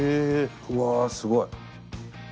うわすごい。